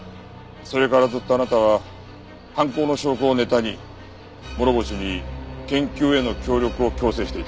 それからずっとあなたは犯行の証拠をネタに諸星に研究への協力を強制していた。